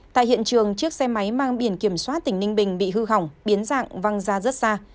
tại hiện trường chiếc xe máy mang biển kiểm soát tỉnh ninh bình bị hư hỏng biến dạng văng ra rất xa